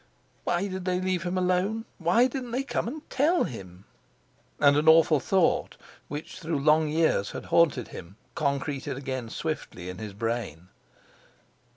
Why did they leave him alone? Why didn't they come and tell him? And an awful thought, which through long years had haunted him, concreted again swiftly in his brain.